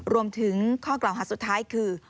รวมถึงข้อกล่าวหาสุดท้ายคือ